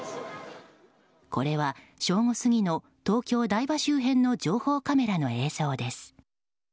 これは正午過ぎの東京・台場周辺の情報カメラの映像です。